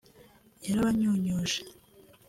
yarabanyunyuje